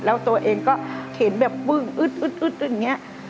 แล้วตัวเองก็เห็นแบบปึ้งอึ๊ดอย่างนี้